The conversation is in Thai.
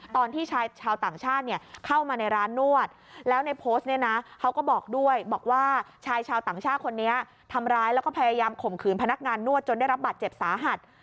ตอนที่ชายชาวต่างชาติเนี่ยเข้ามาในร้านนวดแล้วในโพสต์เนี่ยนะเขาก็บอกด้วยบอกว่าชายชาวต่างชาติคนนี้ทำร้ายแล้วก็พยายามข่มขืนพนักงานนวดจนได้รับบาดเจ็บสาหัส